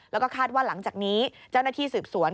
แล้วก็คาดว่าหลังจากนี้เจ้าหน้าที่สืบสวน